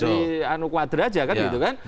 di anu kwadra aja kan gitu kan